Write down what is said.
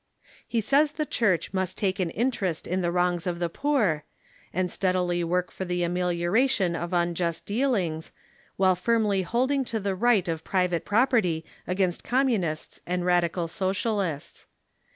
He says the Church must take an interest in the wrongs of the poor, and steadily work for the amelioration of unjust dealings, while firmly holding to the right of private projjerty against Communists and radical Socialists.